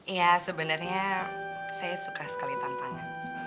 ya sebenarnya saya suka sekali tantangan